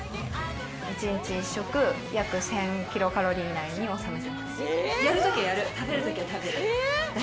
一日一食約１０００キロカロリー以内に収めてます。